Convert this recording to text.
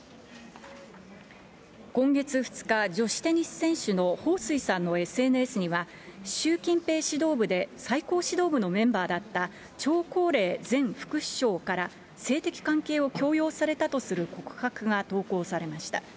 今月２日、女子テニス選手のほうすいさんのＳＮＳには、習近平指導部で最高指導部のメンバーだった張高麗前副首相から性的関係を強要されたとする告白が投稿されました。